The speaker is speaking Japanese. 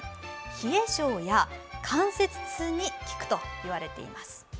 冷え性や関節痛に効くといわれています。